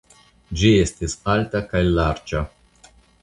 Ĝi estis alta kaj larĝa.